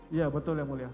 iya betul ya mulia